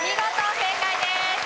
正解です。